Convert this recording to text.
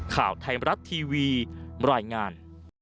ข่าวไทยรับทีวีรายงาน